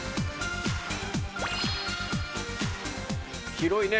広いね